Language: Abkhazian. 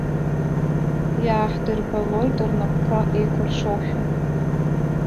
Иааҳдырбалоит рнапқәа еикәыршоушәа.